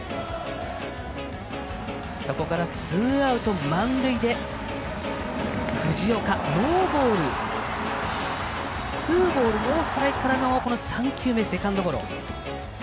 そこからツーアウト、満塁で藤岡ツーボールノーストライクからのセカンドゴロ。